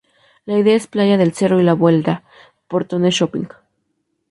La ida es Playa del Cerro y la vuelta, Portones Shopping.